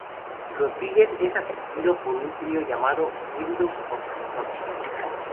Rodríguez es asistido por un trío llamado "Winds of Destruction".